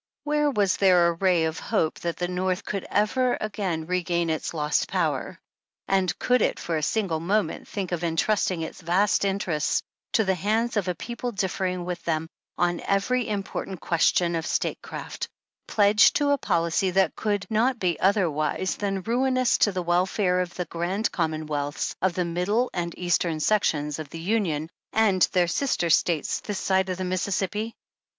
Where was there a ray of hope that the North could ever again regain its lost power, and could it for a single moment think of en trusting its vast interests to the hands of a people differing with them on every important question of statecraft, pledged to a policy that could not be oth erwise than ruinous to the welfare of the grand com monwealths of the Middle and Eastern sections of the Union and their sister States this side of the Mis sissippi?